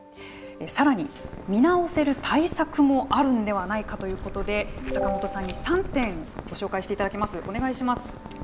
さらに、見直せる対策もあるんではないかということで坂本さんに３点ご紹介していただきます。